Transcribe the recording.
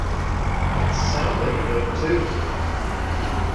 It's sounding good too.